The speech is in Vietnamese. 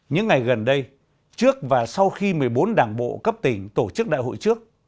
những ngày gần đây trước và sau khi một mươi bốn đảng bộ cấp tỉnh tổ chức đại hội trước